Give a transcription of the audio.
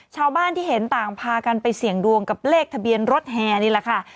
ชาวบ้านที่เห็นต่างพากันไปเสี่ยงดวงกับเลขทะเบียนรถแห่นี่แหละค่ะ